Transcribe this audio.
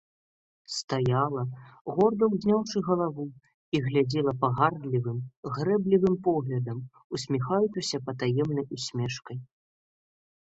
Стаяла, горда ўзняўшы галаву, і глядзела пагардлівым, грэблівым поглядам, усміхаючыся патаемнай усмешкай.